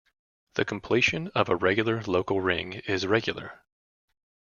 The completion of a regular local ring is regular.